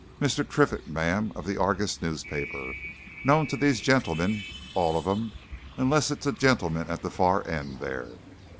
Mr. Triffitt, ma'am, of the Argus newspaper. Known to these gentlemen all of 'em unless it's the gentleman at the far end, there.